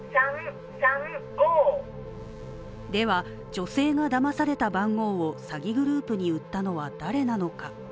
では、女性がだまされた番号を詐欺グループに売ったのは誰なのか。